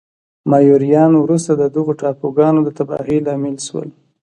مایوریان وروسته د دغو ټاپوګانو د تباهۍ لامل شول.